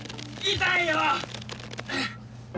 痛いよ！